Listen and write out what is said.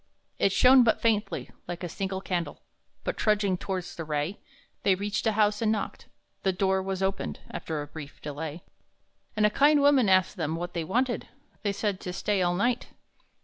It shone but faintly, like a single candle, But, trudging towards the ray, They reached a house and knocked; the door was opened After a brief delay, And a kind woman asked them what they wanted. They said: "To stay all night."